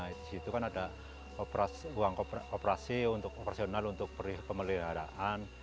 di situ kan ada uang operasi untuk operasional untuk pemeliharaan